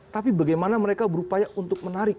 tapi bagaimana mereka berupaya untuk menarik